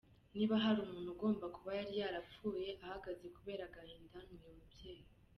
Niba hari umuntu ugomba kuba yari yarapfuye ahagaze kubera agahinda, ni uyu mubyeyi.